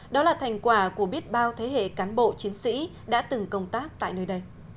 đó là thành quả của biết bao thế hệ cán bộ chiến sĩ đã từng công tác tại nơi đây